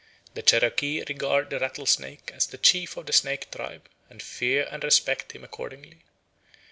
The Cherokee regard the rattlesnake as the chief of the snake tribe and fear and respect him accordingly.